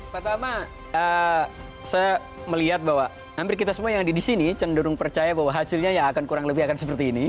pertama saya melihat bahwa hampir kita semua yang di sini cenderung percaya bahwa hasilnya ya akan kurang lebih akan seperti ini